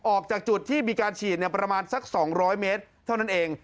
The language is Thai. ออกจากจุดที่มีการฉีดประมาณสัก๒๐๐เมตรเท่านั้นเอง